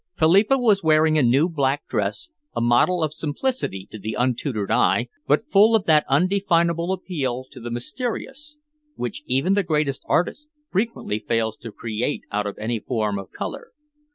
Philippa was wearing a new black dress, a model of simplicity to the untutored eye, but full of that undefinable appeal to the mysterious which even the greatest artist frequently fails to create out of any form of colour.